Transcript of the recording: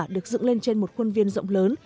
được dựng lên trên một khuôn viên rộng lớn